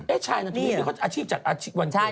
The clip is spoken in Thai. เอ๊ะใช่นะทีนี้เค้าอาชีพจัดวันเกิด